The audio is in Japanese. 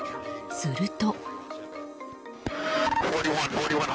すると。